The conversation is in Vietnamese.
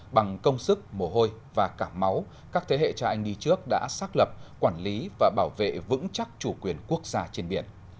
bằng công sức mồ hôi và cả máu các thế hệ tra anh đi trước đã xác lập quản lý và bảo vệ vững chắc chủ quyền quốc gia trên biển